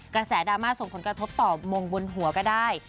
กระแสดราม่าส่งผลกระทบต่อมงบนหัวก็ได้